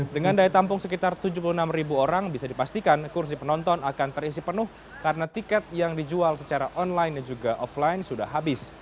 dengan daya tampung sekitar tujuh puluh enam orang bisa dipastikan kursi penonton akan terisi penuh karena tiket yang dijual secara online dan juga offline sudah habis